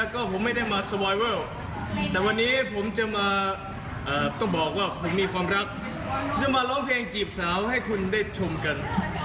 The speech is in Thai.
ความรักจะมาร้องเพลงจีบสาวให้คุณได้ชมกัน